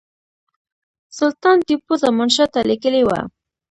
سلطان ټیپو زمانشاه ته لیکلي وه.